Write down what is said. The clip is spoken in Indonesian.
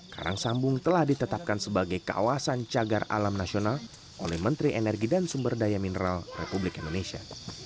karang sambung telah ditetapkan sebagai kawasan cagar alam nasional oleh menteri energi dan sumber daya mineral republik indonesia